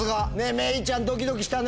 めいちゃんドキドキしたね。